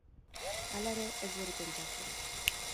Hala ere, ez du hori pentsatzen.